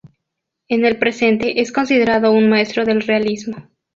En el presente, es considerado un maestro del realismo.